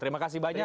terima kasih banyak